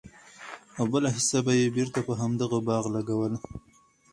او بله حيصه به ئي بيرته په همدغه باغ لګوله!!